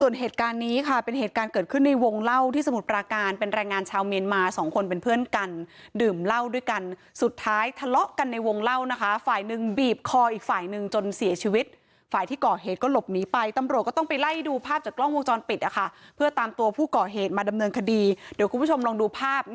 ส่วนเหตุการณ์นี้ค่ะเป็นเหตุการณ์เกิดขึ้นในวงเล่าที่สมุทรปราการเป็นแรงงานชาวเมียนมาสองคนเป็นเพื่อนกันดื่มเหล้าด้วยกันสุดท้ายทะเลาะกันในวงเล่านะคะฝ่ายหนึ่งบีบคออีกฝ่ายหนึ่งจนเสียชีวิตฝ่ายที่ก่อเหตุก็หลบหนีไปตำรวจก็ต้องไปไล่ดูภาพจากกล้องวงจรปิดนะคะเพื่อตามตัวผู้ก่อเหตุมาดำเนินคดีเดี๋ยวคุณผู้ชมลองดูภาพ